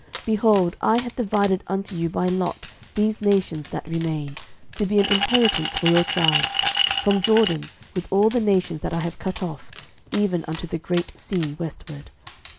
06:023:004 Behold, I have divided unto you by lot these nations that remain, to be an inheritance for your tribes, from Jordan, with all the nations that I have cut off, even unto the great sea westward.